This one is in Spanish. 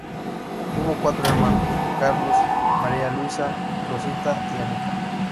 Tuvo cuatro hermanos: Carlos, María Luisa, Rosita y Anita.